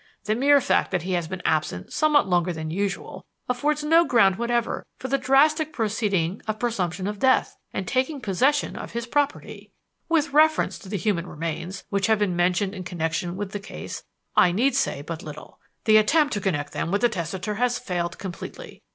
The mere fact that he has been absent somewhat longer than usual affords no ground whatever for the drastic proceeding of presumption of death and taking possession of his property. "With reference to the human remains which have been mentioned in connection with the case I need say but little. The attempt to connect them with the testator has failed completely.